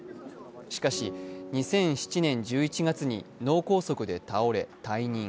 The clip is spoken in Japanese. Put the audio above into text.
しかし、２００７年１１月に脳梗塞で倒れ退任。